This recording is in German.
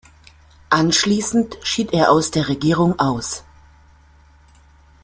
Anschließend schied er aus der Regierung aus.